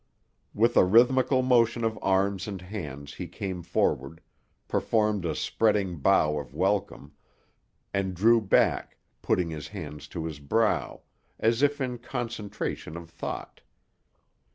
With a rhythmical motion of arms and hands he came forward, performed a spreading bow of welcome, and drew back, putting his hand to his brow, as if in concentration of thought.